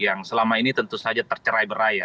yang selama ini tentu saja tercerai berai